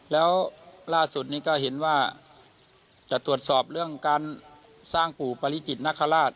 แล้วล่าสุดนี้ก็เห็นว่าจะตรวจสอบเรื่องการสร้างปู่ปริจิตนคราช